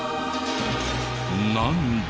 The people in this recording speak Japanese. なんだ？